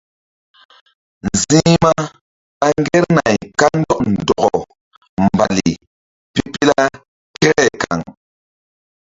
Nzi̧hma ɓa ŋgernay kandɔk ndɔkɔ mbali pipila kere kaŋ.